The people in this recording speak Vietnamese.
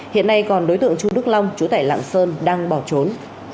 hiện nay còn đối tượng chu đức long chú tải lạng sơn đang bỏ trốn